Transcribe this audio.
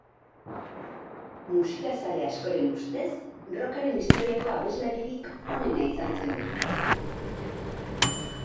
Musikazale askoren ustez, rockaren historiako abeslaririk onena izan zen bera.